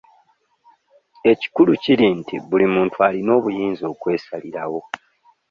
Ekikulu kiri nti buli muntu alina obuyinza okwesalirawo.